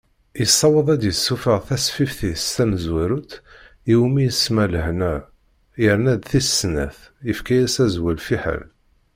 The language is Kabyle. Yessaweḍ ad d-yessufeɣ tasfift-is tamezwarut, iwumi isemma Lehna, yerna-d tis snat, yefka-as azwel Fiḥel.